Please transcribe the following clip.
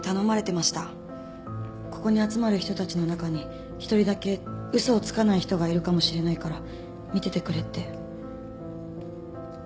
ここに集まる人たちの中に１人だけ嘘をつかない人がいるかもしれないから見ててくれって。